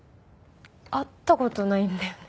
会った事ないんだよね。